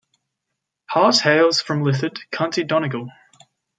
Harte hails from Lifford, County Donegal.